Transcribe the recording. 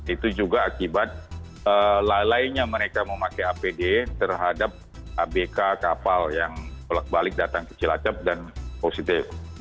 itu juga akibat lalainya mereka memakai apd terhadap abk kapal yang balik datang ke cilacap dan positif